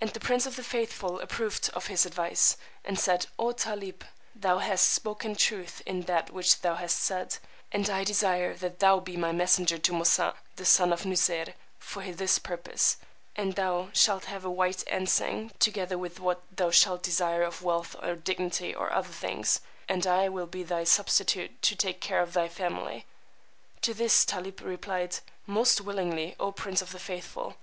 And the Prince of the Faithful approved of his advice, and said, O Tálib, thou has spoken truth in that which thou hast said, and I desire that thou be my messenger to Moosà the son of Nuseyr for this purpose, and thou shalt have a white ensign, together with what thou shalt desire of wealth or dignity or other things, and I will be thy substitute to take care of thy family. To this Tálib replied, Most willingly, O Prince of the Faithful.